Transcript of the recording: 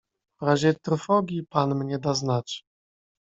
"W razie trwogi pan mnie da znać."